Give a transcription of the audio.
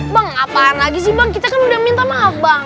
bang kapan lagi sih bang kita kan udah minta maaf bang